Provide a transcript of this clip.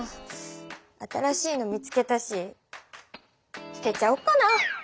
新しいの見つけたし捨てちゃおっかな？